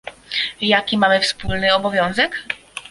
Jaki mamy wspólny obowiązek?